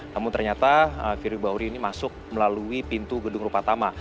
namun ternyata firly bahuri ini masuk melalui pintu gedung rupatama